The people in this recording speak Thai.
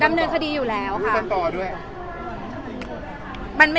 ดำเนินคดีอยู่แล้วค่ะ